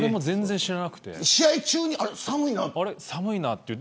試合中に寒いなって。